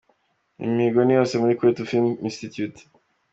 Imihigo ni yose muri Kwetu Film Institute.